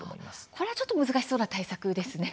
これはちょっと難しそうな対策ですね。